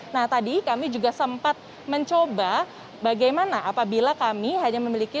nah tadi kami juga sempat mencoba bagaimana apabila kami hanya memiliki